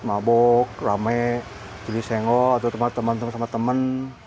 mabok rame jadi sengok atau teman teman teman